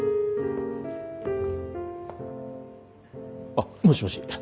あっもしもし